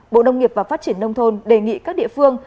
bộ nông nghiệp và phát triển nông thôn đề nghị các địa phương